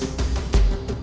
aku mau pulang dulu ya mas